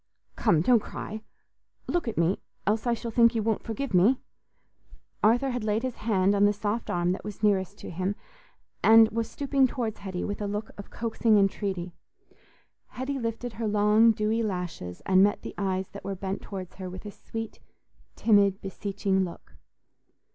Come, don't cry; look at me, else I shall think you won't forgive me." Arthur had laid his hand on the soft arm that was nearest to him, and was stooping towards Hetty with a look of coaxing entreaty. Hetty lifted her long dewy lashes, and met the eyes that were bent towards her with a sweet, timid, beseeching look.